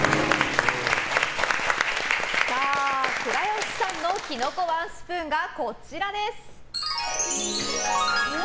倉由さんのキノコワンスプーンがこちらです。